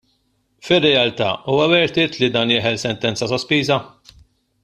Fir-realtà huwa worth it li dan jeħel sentenza sospiża?